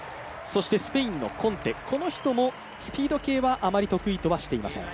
スペインのコンテも、スピード系はあまり得意とはしていません。